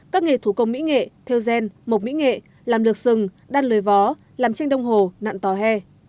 các nghề thủ công mỹ nghệ theo gen mộc mỹ nghệ làm lược sừng đan lưới vó làm chanh đông hồ nạn tòa he